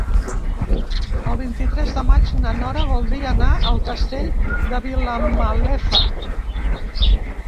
El vint-i-tres de maig na Nora voldria anar al Castell de Vilamalefa.